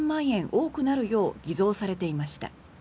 多くなるよう偽造されていました。